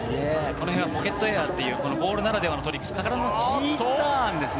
この辺はポケットエアというボウルならではのトリックです。